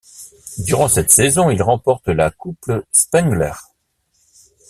Durant cette saison, il remporte la Coupe Spengler.